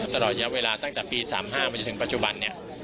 ตลอดระยะเวลาตั้งแต่ปี๓๕มาจนถึงปัจจุบันนี้